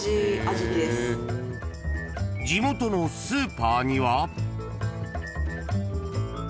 ［地元のスーパーには］